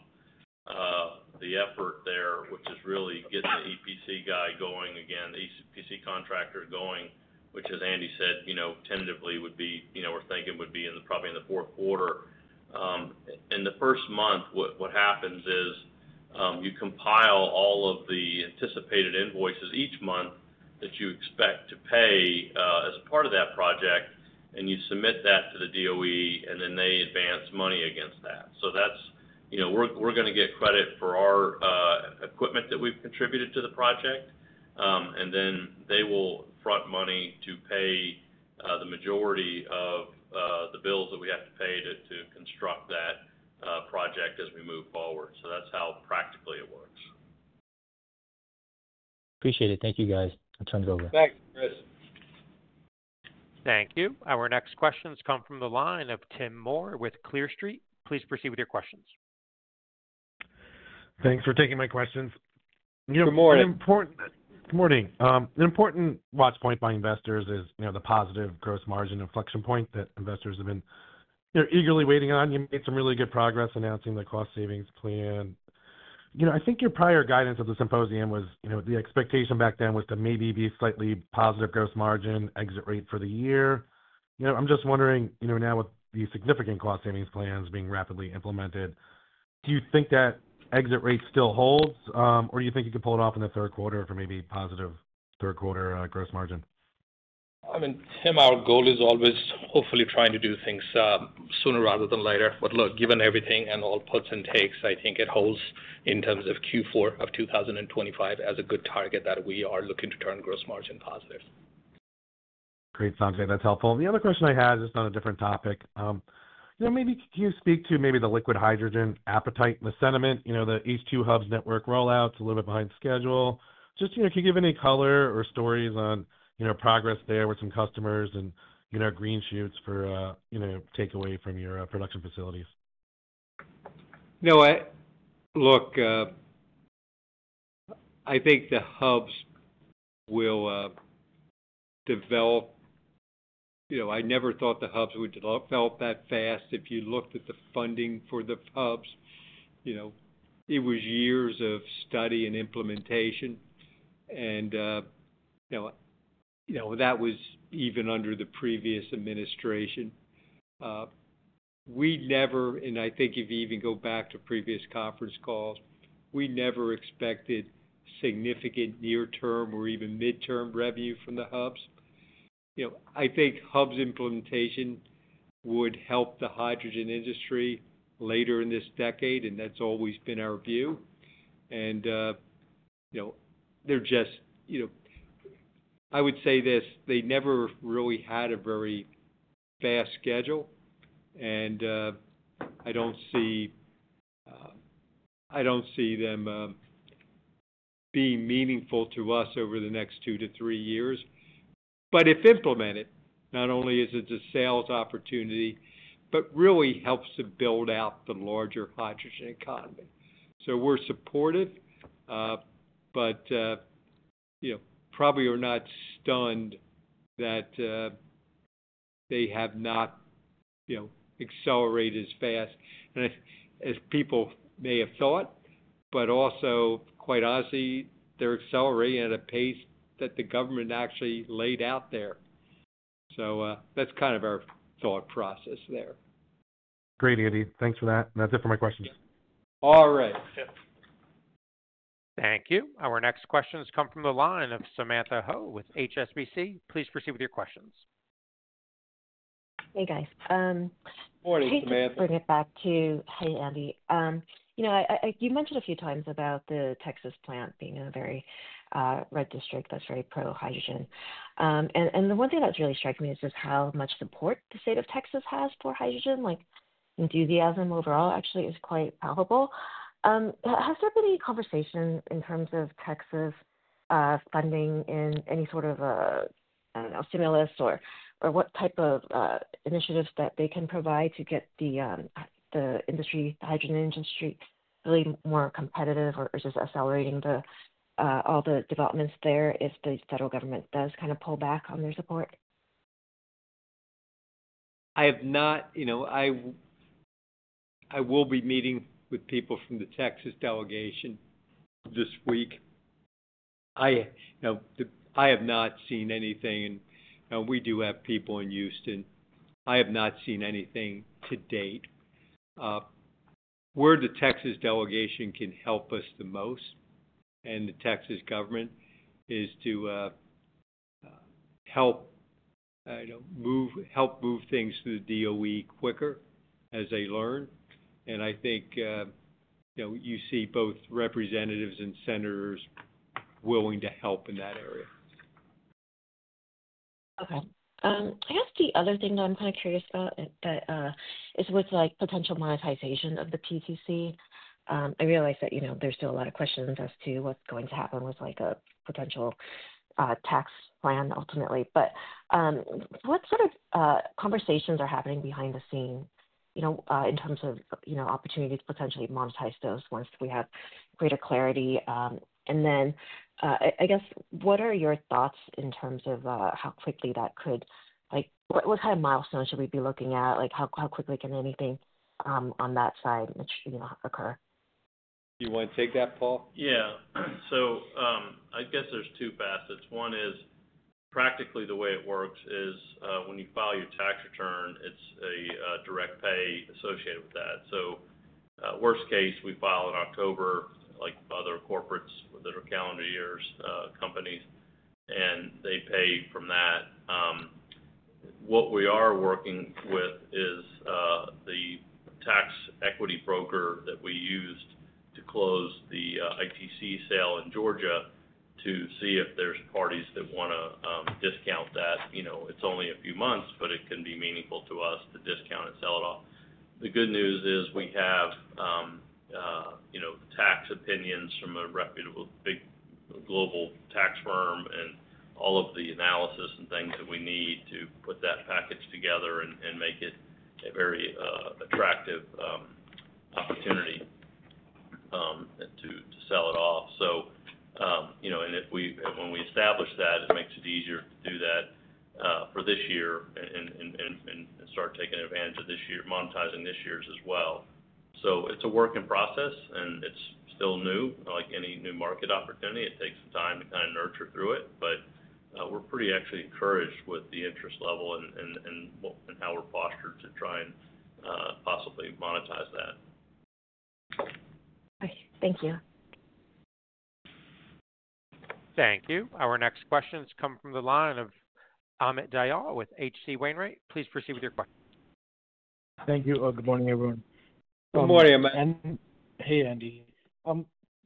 the effort there, which is really getting the EPC guy going again, the EPC contractor going, which, as Andy said, tentatively would be—we're thinking would be probably in the fourth quarter. In the first month, what happens is you compile all of the anticipated invoices each month that you expect to pay as a part of that project, and you submit that to the DOE, and then they advance money against that. We're going to get credit for our equipment that we've contributed to the project, and then they will front money to pay the majority of the bills that we have to pay to construct that project as we move forward. That's how practically it works. Appreciate it. Thank you, guys. I'll turn it over. Thanks, Chris. Thank you. Our next questions come from the line of Tim Moore with Clear Street. Please proceed with your questions. Thanks for taking my questions. Good morning. Good morning. An important watch point by investors is the positive gross margin inflection point that investors have been eagerly waiting on. You made some really good progress announcing the cost savings plan. I think your prior guidance of the symposium was the expectation back then was to maybe be a slightly positive gross margin exit rate for the year. I'm just wondering now with the significant cost savings plans being rapidly implemented, do you think that exit rate still holds, or do you think you can pull it off in the third quarter for maybe a positive third-quarter gross margin? I mean, Tim, our goal is always hopefully trying to do things sooner rather than later. Look, given everything and all puts and takes, I think it holds in terms of Q4 of 2025 as a good target that we are looking to turn gross margin positive. Great, Sanjay. That's helpful. The other question I had is just on a different topic. Maybe can you speak to maybe the liquid hydrogen appetite and the sentiment, the H2 hubs network rollouts a little bit behind schedule? Just can you give any color or stories on progress there with some customers and green shoots for takeaway from your production facilities? Look, I think the hubs will develop. I never thought the hubs would develop that fast. If you looked at the funding for the hubs, it was years of study and implementation. That was even under the previous administration. I think if you even go back to previous conference calls, we never expected significant near-term or even mid-term revenue from the hubs. I think hubs implementation would help the hydrogen industry later in this decade, and that's always been our view. They never really had a very fast schedule. I do not see them being meaningful to us over the next two to three years. If implemented, not only is it a sales opportunity, but it really helps to build out the larger hydrogen economy. We're supportive, but probably are not stunned that they have not accelerated as fast as people may have thought, but also, quite honestly, they're accelerating at a pace that the government actually laid out there. That's kind of our thought process there. Great, Andy. Thanks for that. That is it for my questions. All right. Thank you. Our next questions come from the line of Samantha Hoh with HSBC. Please proceed with your questions. Hey, guys. Morning, Samantha. Bring it back to—hey, Andy. You mentioned a few times about the Texas plant being in a very red district that's very pro-hydrogen. The one thing that's really striking me is just how much support the state of Texas has for hydrogen. Enthusiasm overall, actually, is quite palpable. Has there been any conversation in terms of Texas funding in any sort of a, I don't know, stimulus or what type of initiatives that they can provide to get the industry, the hydrogen industry, really more competitive or just accelerating all the developments there if the federal government does kind of pull back on their support? I have not. I will be meeting with people from the Texas delegation this week. I have not seen anything. We do have people in Houston. I have not seen anything to date. Where the Texas delegation can help us the most and the Texas government is to help move things through the DOE quicker as they learn. I think you see both representatives and senators willing to help in that area. Okay. I guess the other thing that I'm kind of curious about is with potential monetization of the PTC. I realize that there's still a lot of questions as to what's going to happen with a potential tax plan ultimately. What sort of conversations are happening behind the scenes in terms of opportunities to potentially monetize those once we have greater clarity? I guess, what are your thoughts in terms of how quickly that could—what kind of milestones should we be looking at? How quickly can anything on that side occur? Do you want to take that, Paul? Yeah. I guess there's two facets. One is, practically, the way it works is when you file your tax return, it's a direct pay associated with that. Worst case, we file in October like other corporates with their calendar years, companies, and they pay from that. What we are working with is the tax equity broker that we used to close the ITC sale in Georgia to see if there's parties that want to discount that. It's only a few months, but it can be meaningful to us to discount and sell it off. The good news is we have tax opinions from a reputable, big global tax firm and all of the analysis and things that we need to put that package together and make it a very attractive opportunity to sell it off. When we establish that, it makes it easier to do that for this year and start taking advantage of monetizing this year's as well. It is a work in process, and it is still new. Like any new market opportunity, it takes some time to kind of nurture through it. We are pretty actually encouraged with the interest level and how we are postured to try and possibly monetize that. Okay. Thank you. Thank you. Our next questions come from the line of Amit Dayal with H.C. Wainwright. Please proceed with your question. Thank you. Good morning, everyone. Good morning. Hey, Andy.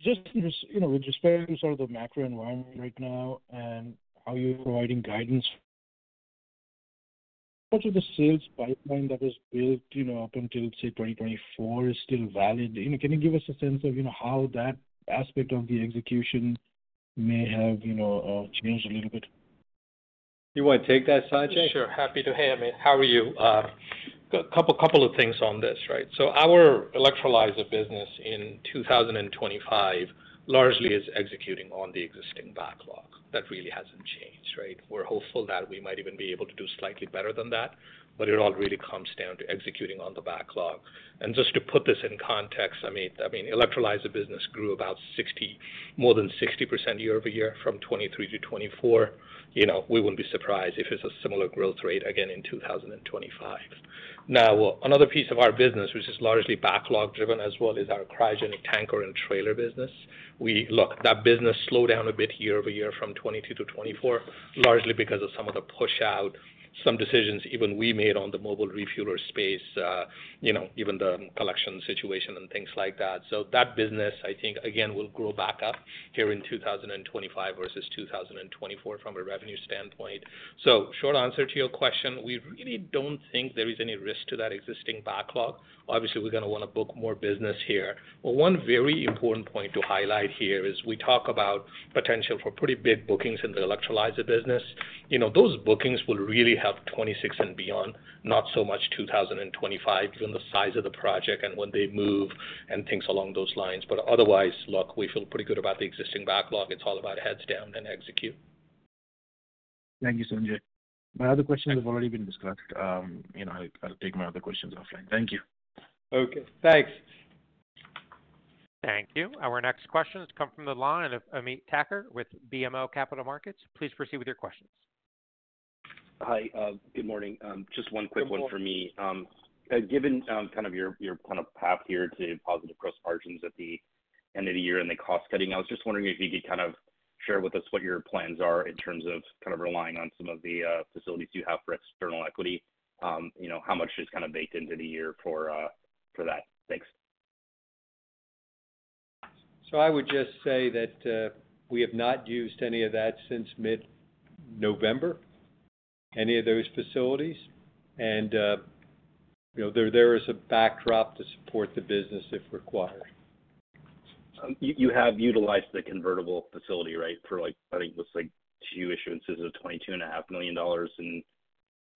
Just with respect to sort of the macro environment right now and how you're providing guidance, much of the sales pipeline that was built up until, say, 2024 is still valid. Can you give us a sense of how that aspect of the execution may have changed a little bit? You want to take that, Sanjay? Sure. Happy to hear me. How are you? A couple of things on this, right? Our electrolyzer business in 2025 largely is executing on the existing backlog. That really has not changed, right? We are hopeful that we might even be able to do slightly better than that, but it all really comes down to executing on the backlog. Just to put this in context, I mean, electrolyzer business grew about more than 60% year-over-year from 2023 to 2024. We would not be surprised if it is a similar growth rate again in 2025. Another piece of our business, which is largely backlog-driven as well, is our cryogenic tanker and trailer business. Look, that business slowed down a bit year-over-year from 2022 to 2024, largely because of some of the push-out, some decisions even we made on the mobile refueler space, even the collection situation and things like that. That business, I think, again, will grow back up here in 2025 versus 2024 from a revenue standpoint. Short answer to your question, we really do not think there is any risk to that existing backlog. Obviously, we are going to want to book more business here. One very important point to highlight here is we talk about potential for pretty big bookings in the electrolyzer business. Those bookings will really help 2026 and beyond, not so much 2025, given the size of the project and when they move and things along those lines. Otherwise, look, we feel pretty good about the existing backlog. It's all about heads down and execute. Thank you, Sanjay. My other questions have already been discussed. I'll take my other questions offline. Thank you. Okay. Thanks. Thank you. Our next questions come from the line of Ameet Thakkar with BMO Capital Markets. Please proceed with your questions. Hi. Good morning. Just one quick one for me. Given kind of your kind of path here to positive gross margins at the end of the year and the cost cutting, I was just wondering if you could kind of share with us what your plans are in terms of kind of relying on some of the facilities you have for external equity, how much is kind of baked into the year for that? Thanks. I would just say that we have not used any of that since mid-November, any of those facilities. There is a backdrop to support the business if required. You have utilized the convertible facility, right, for, I think, what is like two issuances of $22.5 million in,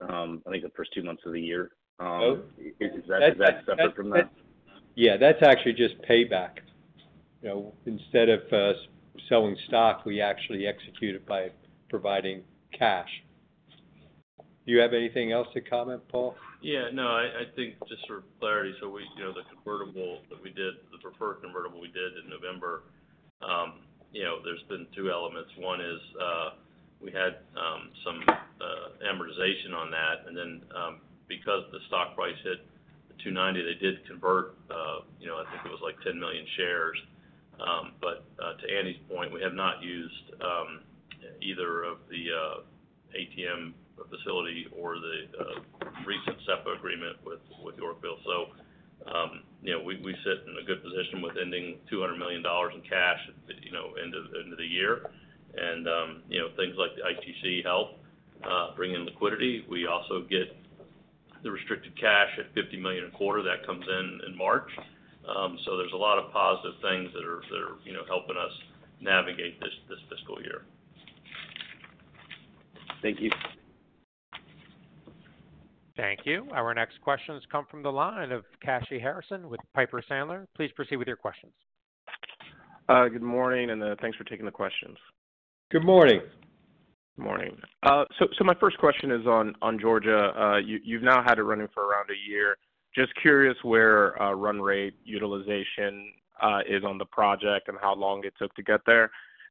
I think, the first two months of the year. Is that separate from that? Yeah. That's actually just payback. Instead of selling stock, we actually execute it by providing cash. Do you have anything else to comment, Paul? Yeah. No, I think just for clarity, the convertible that we did, the preferred convertible we did in November, there have been two elements. One is we had some amortization on that. Then because the stock price hit the $2.90, they did convert. I think it was like 10 million shares. To Andy's point, we have not used either of the ATM facility or the recent SEPA agreement with Yorkville. We sit in a good position with ending $200 million in cash into the year. Things like the ITC help bring in liquidity. We also get the restricted cash at $50 million a quarter that comes in in March. There are a lot of positive things that are helping us navigate this fiscal year. Thank you. Thank you. Our next questions come from the line of Kashy Harrison with Piper Sandler. Please proceed with your questions. Good morning. Thanks for taking the questions. Good morning. Good morning. My first question is on Georgia. You've now had it running for around a year. Just curious where run rate utilization is on the project and how long it took to get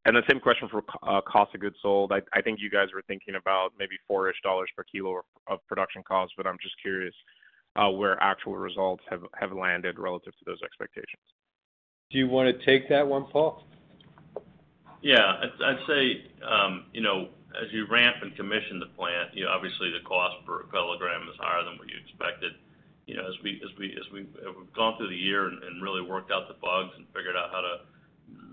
there. The same question for cost of goods sold. I think you guys were thinking about maybe $4 per kilo of production costs, but I'm just curious where actual results have landed relative to those expectations. Do you want to take that one, Paul? Yeah. I'd say as you ramp and commission the plant, obviously, the cost per kilogram is higher than what you expected. As we've gone through the year and really worked out the bugs and figured out how to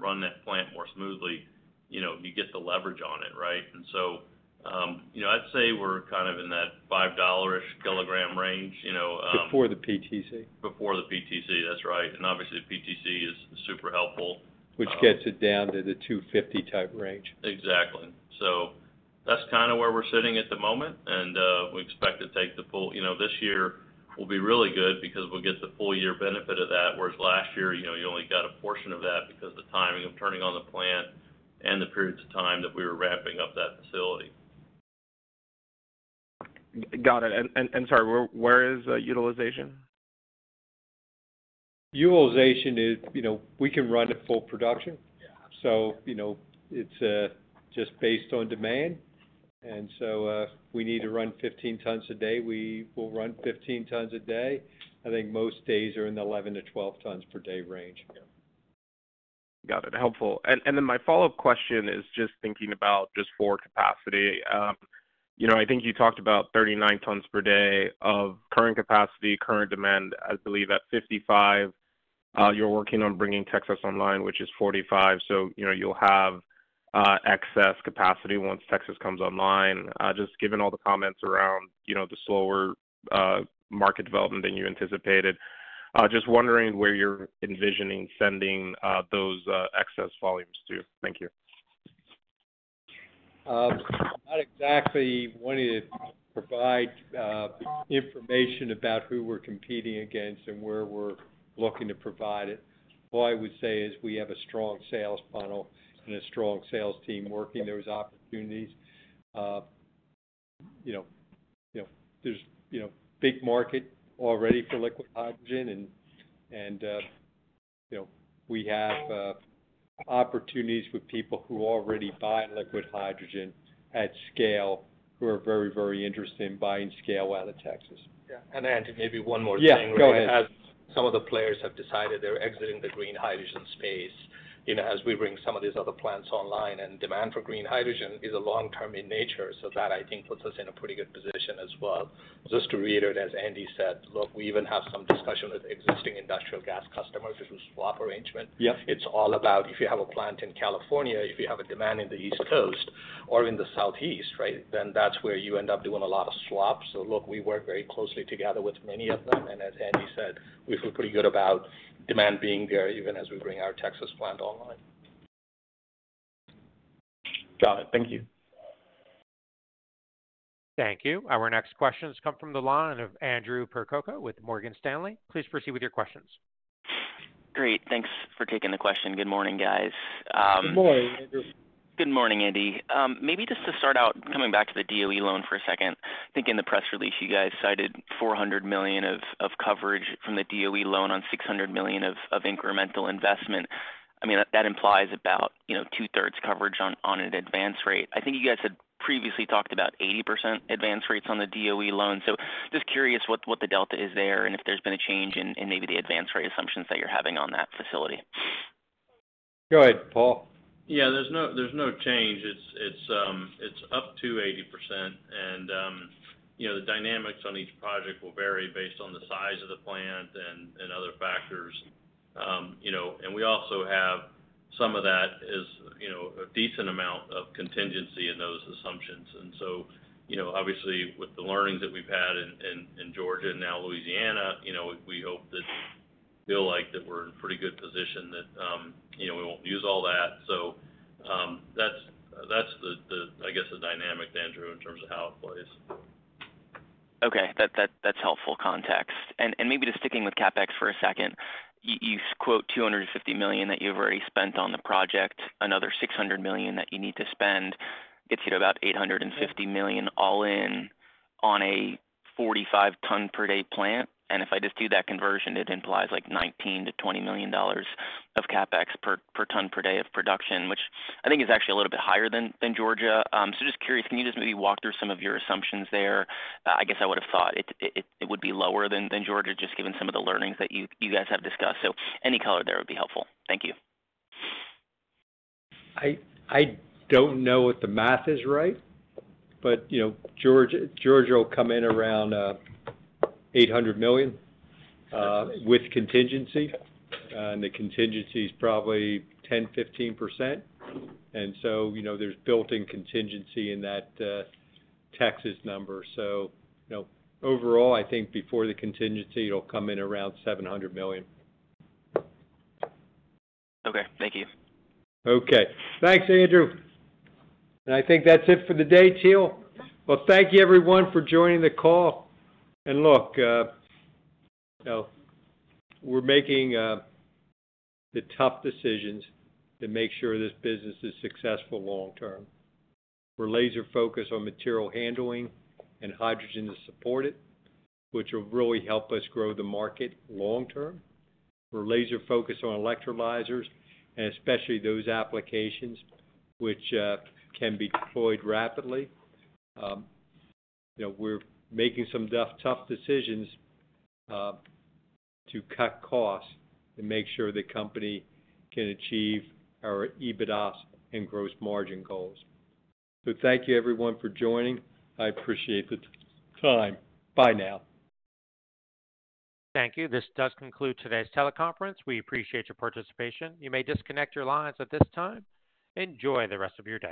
run that plant more smoothly, you get the leverage on it, right? I'd say we're kind of in that $5 kilogram range. Before the PTC. Before the PTC, that's right. The PTC is super helpful. Which gets it down to the $2.50-type range. Exactly. That is kind of where we're sitting at the moment. We expect to take the full this year will be really good because we'll get the full year benefit of that, whereas last year, you only got a portion of that because of the timing of turning on the plant and the periods of time that we were ramping up that facility. Got it. Sorry, where is utilization? Utilization is we can run at full production. It is just based on demand. If we need to run 15 tons a day, we will run 15 tons a day. I think most days are in the 11-12 tons per day range. Got it. Helpful. My follow-up question is just thinking about just forward capacity. I think you talked about 39 tons per day of current capacity, current demand. I believe at 55, you're working on bringing Texas online, which is 45. You will have excess capacity once Texas comes online. Just given all the comments around the slower market development than you anticipated, just wondering where you're envisioning sending those excess volumes to. Thank you. Not exactly wanting to provide information about who we're competing against and where we're looking to provide it. All I would say is we have a strong sales funnel and a strong sales team working. There's opportunities. There's big market already for liquid hydrogen. And we have opportunities with people who already buy liquid hydrogen at scale who are very, very interested in buying scale out of Texas. Yeah. Andy, maybe one more thing. Yeah. Go ahead. As some of the players have decided they're exiting the green hydrogen space as we bring some of these other plants online, and demand for green hydrogen is long-term in nature. That, I think, puts us in a pretty good position as well. Just to reiterate, as Andy said, look, we even have some discussion with existing industrial gas customers to swap arrangement. It's all about if you have a plant in California, if you have a demand in the East Coast or in the Southeast, right, that's where you end up doing a lot of swaps. We work very closely together with many of them. As Andy said, we feel pretty good about demand being there even as we bring our Texas plant online. Got it. Thank you. Thank you. Our next questions come from the line of Andrew Percoco with Morgan Stanley. Please proceed with your questions. Great. Thanks for taking the question. Good morning, guys. Good morning, Andrew. Good morning, Andy. Maybe just to start out, coming back to the DOE loan for a second, I think in the press release, you guys cited $400 million of coverage from the DOE loan on $600 million of incremental investment. I mean, that implies about two-thirds coverage on an advance rate. I think you guys had previously talked about 80% advance rates on the DOE loan. Just curious what the delta is there and if there's been a change in maybe the advance rate assumptions that you're having on that facility. Go ahead, Paul. Yeah. There's no change. It's up to 80%. The dynamics on each project will vary based on the size of the plant and other factors. We also have some of that as a decent amount of contingency in those assumptions. Obviously, with the learnings that we've had in Georgia and now Louisiana, we hope that we feel like that we're in a pretty good position that we won't use all that. That's, I guess, the dynamic, Andrew, in terms of how it plays. Okay. That's helpful context. Maybe just sticking with CapEx for a second, you quote $250 million that you've already spent on the project, another $600 million that you need to spend. It's about $850 million all in on a 45-ton-per-day plant. If I just do that conversion, it implies like $19 million-$20 million of CapEx per ton per day of production, which I think is actually a little bit higher than Georgia. Just curious, can you just maybe walk through some of your assumptions there? I guess I would have thought it would be lower than Georgia, just given some of the learnings that you guys have discussed. Any color there would be helpful. Thank you. I don't know what the math is right, but Georgia will come in around $800 million with contingency. The contingency is probably 10%-15%. There is built-in contingency in that Texas number. Overall, I think before the contingency, it'll come in around $700 million. Okay. Thank you. Okay. Thanks, Andrew. I think that's it for the day, Teal. Thank you, everyone, for joining the call. Look, we're making the tough decisions to make sure this business is successful long-term. We're laser-focused on material handling and hydrogen to support it, which will really help us grow the market long-term. We're laser-focused on electrolyzers, and especially those applications which can be deployed rapidly. We're making some tough decisions to cut costs to make sure the company can achieve our EBITDA and gross margin goals. Thank you, everyone, for joining. I appreciate the time. Bye now. Thank you. This does conclude today's teleconference. We appreciate your participation. You may disconnect your lines at this time. Enjoy the rest of your day.